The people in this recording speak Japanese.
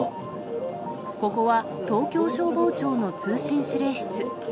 ここは東京消防庁の通信指令